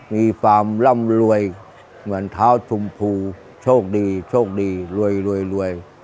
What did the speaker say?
มีความร่ำรวยเหมือนเท้าชมพูโชคดีโชคดีรวยรวย